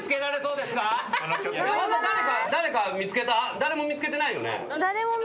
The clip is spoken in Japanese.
誰も見つけてないよね？